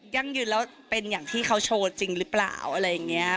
ยืนแล้วเป็นอย่างที่เขาโชว์จริงหรือเปล่าอะไรอย่างนี้